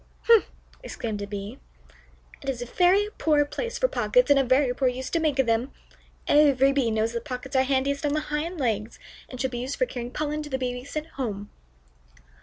"Humph!" exclaimed a Bee, "it is a very poor place for pockets, and a very poor use to make of them. Every Bee knows that pockets are handiest on the hind legs, and should be used for carrying pollen to the babies at home."